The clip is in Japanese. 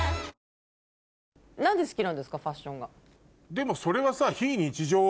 でもそれはさ。